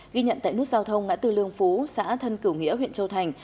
ghi nhận tại nút giao thông ngã từ lương phú xã thân cửu nghĩa huyện châu thành